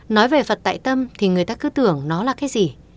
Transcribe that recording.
nói về phật tại tâm thì người ta cứ tưởng nó là cái gì